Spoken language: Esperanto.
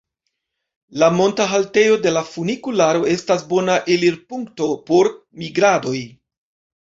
La monta haltejo de la funikularo estas bona elirpunkto por migradoj.